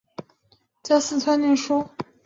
蹇念益自幼随父亲在四川念书。